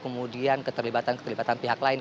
kemudian keterlibatan keterlibatan pihak lain